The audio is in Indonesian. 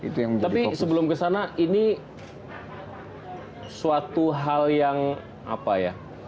tapi sebelum kesana ini suatu hal yang apa ya